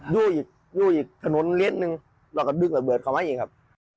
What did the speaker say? ดูอีกถนนเร็ดนึงเราก็ลึกระเบิดเข้ามาจริงครับ